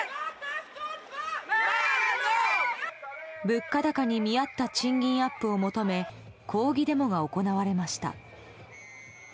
物価高に見合った賃金アップを求め抗議デモが行われました。